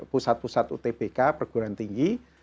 pusat pusat utbk perguruan tinggi